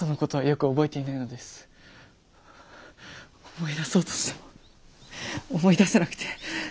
思い出そうとしても思い出せなくて。